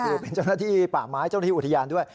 คือเป็นเจ้าหน้าที่ป่าไม้เจ้าหน้าที่อุทยานด้วย